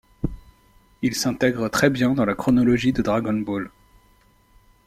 Il s’intègre très bien dans la chronologie de Dragon Ball.